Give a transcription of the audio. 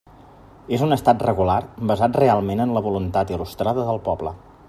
És un estat regular basat realment en la voluntat il·lustrada del poble.